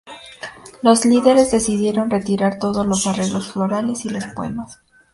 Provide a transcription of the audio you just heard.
Los líderes decidieron retirar todos los arreglos florales y los poemas.